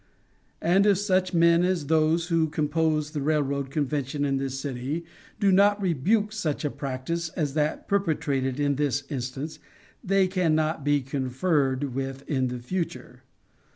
And if such men as those who composed the railroad convention in this city do not rebuke such a practice as that perpetrated in this instance, they can not be conferred with in future.